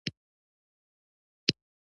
ـ زمريانو د نشتون نه ګيدړې په بامو ګرځي